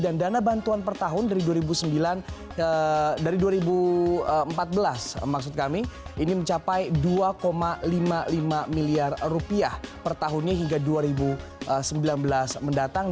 dan dana bantuan per tahun dari dua ribu empat belas ini mencapai rp dua lima puluh lima miliar per tahunnya hingga dua ribu sembilan belas mendatang